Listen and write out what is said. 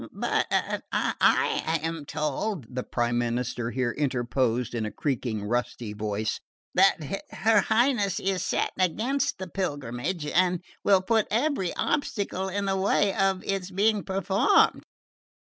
"But I am told," the Prime Minister here interposed in a creaking rusty voice, "that her Highness is set against the pilgrimage and will put every obstacle in the way of its being performed."